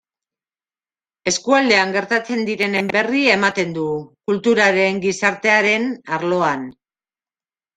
Eskualdean gertatzen direnen berri ematen du, kulturaren, gizartearen... arloan.